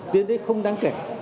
tiến đến không đáng kể